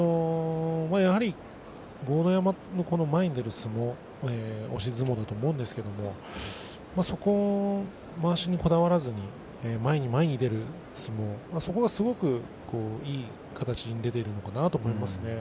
やはり豪ノ山の前に出る相撲押し相撲だと思うんですがまわしにこだわらずに前に前に出る相撲そこが、すごくいい形に出ているのかなと思います。